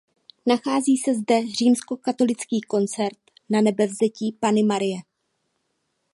Nachází se zde římskokatolický kostel Nanebevzetí Panny Marie.